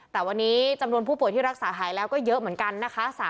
แต่วันนี้จำนวนผู้ป่วยที่รักษาหายแล้วก็เยอะเหมือนกันนะคะ